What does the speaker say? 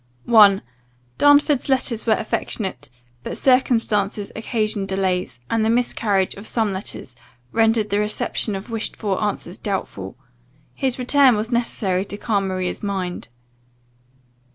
I. "Darnford's letters were affectionate; but circumstances occasioned delays, and the miscarriage of some letters rendered the reception of wished for answers doubtful: his return was necessary to calm Maria's mind."